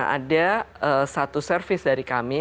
nah ada satu service dari kami